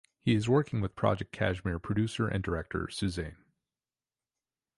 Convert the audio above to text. He is working with "Project Kashmir" producer and director Susain.